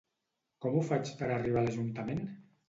Com ho faig per arribar a l'Ajuntament?